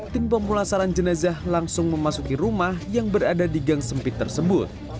tim pemulasaran jenazah langsung memasuki rumah yang berada di gang sempit tersebut